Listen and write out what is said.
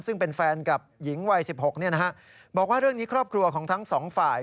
ซึ่งเป็นแฟนกับหญิงวัย๑๖บอกว่าเรื่องนี้ครอบครัวของทั้งสองฝ่าย